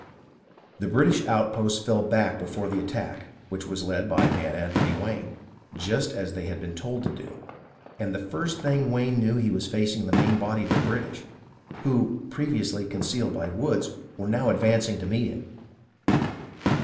The British outposts fell back before the attack, which was led by Mad Anthony Wayne, just as they had been told to do, and the first thing Wayne knew he was facing the main body of the British, who, previously concealed by the woods, were now advancing to meet him.